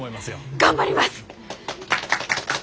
頑張ります！